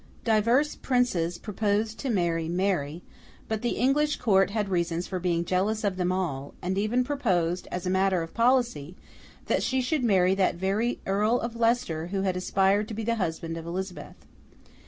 Divers princes proposed to marry Mary, but the English court had reasons for being jealous of them all, and even proposed as a matter of policy that she should marry that very Earl of Leicester who had aspired to be the husband of Elizabeth.